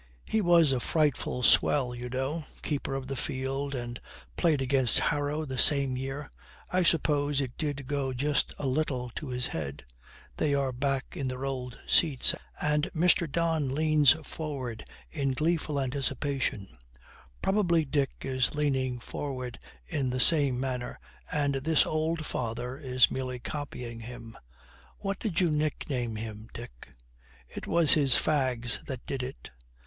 'He was a frightful swell, you know. Keeper of the field, and played against Harrow the same year. I suppose it did go just a little to his head.' They are back in their old seats, and Mr. Don leans forward in gleeful anticipation. Probably Dick is leaning forward in the same way, and this old father is merely copying him. 'What did you nickname him, Dick?' 'It was his fags that did it!'